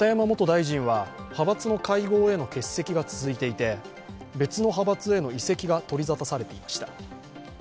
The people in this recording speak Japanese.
元大臣は派閥の会合への欠席が続いていて別の派閥への移籍が取り沙汰されていました。